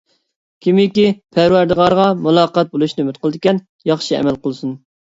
كىمكى پەرۋەردىگارىغا مۇلاقەت بولۇشنى ئۈمىد قىلىدىكەن، ياخشى ئەمەل قىلسۇن.